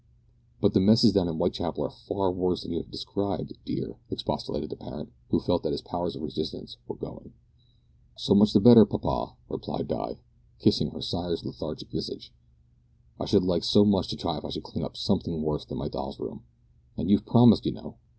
"But the messes down in Whitechapel are much worse than you have described, dear," expostulated the parent, who felt that his powers of resistance were going. "So much the better, papa," replied Di, kissing her sire's lethargic visage. "I should like so much to try if I could clean up something worse than my doll's room. And you've promised, you know."